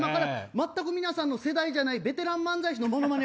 全く皆さんの世代じゃないベテラン漫才師のモノマネ。